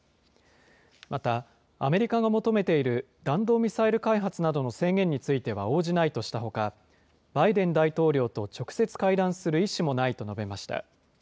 また、アメリカが求めている弾道ミサイル開発などの制限については応じないとしたほか、バイデン大統領と直接会談する意思もないと述べました。